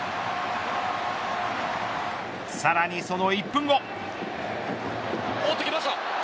さらにその１分後。